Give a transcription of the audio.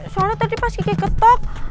soalnya tadi pas kiki ketok